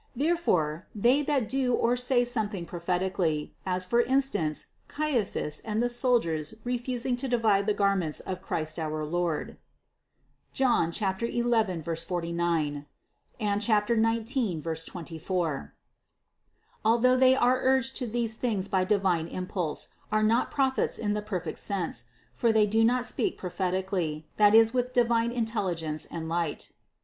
Therefore, they that do or say something prophetical, as for instance Caiphas and the soldiers refusing to divide the garment of Christ our Lord (John 11, 49; 19, 24), although they are urged to these things by divine impulse, are not prophets in the perfect sense; for they do not speak prophetically, that is with divine intelligence and light.